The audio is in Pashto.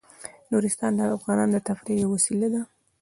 نورستان د افغانانو د تفریح یوه وسیله ده.